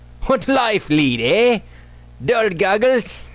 What life lead? eh, dull goggles?